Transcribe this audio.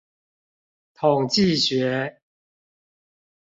統計學